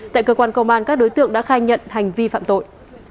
tại cơ quan công an các đối tượng đã khai nhận hành vi phạm tội